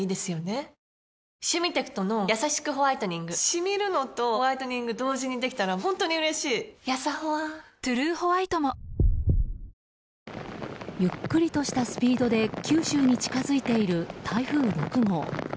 シミるのとホワイトニング同時にできたら本当に嬉しいやさホワ「トゥルーホワイト」もゆっくりとしたスピードで九州に近づいている台風６号。